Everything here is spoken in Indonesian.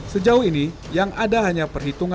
sejauh ini yang ada hanya perhitungan